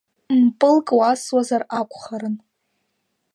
Мпылк уасуазар акәхарын…